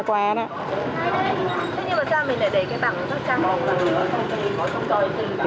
thế nhưng mà sao mình lại để cái bảng sóc trăng